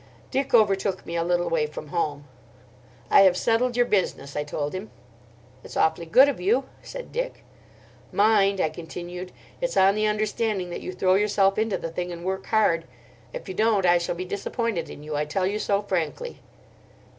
Dick overtook me a little way from home. "I have settled your business," I told him. "It's awfully good of you," said Dick. "Mind," I continued, "it's on the understanding that you throw yourself into the thing and work hard. If you don't, I shall be disappointed in you, I tell you so frankly."